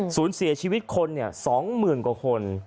สูญเสียชีวิตคน๒๐๐๐กว่าคน